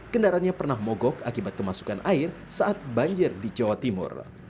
kendaraannya pernah mogok akibat kemasukan air saat banjir di jawa timur